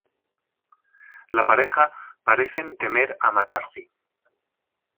La pareja parecen temer a McCarthy.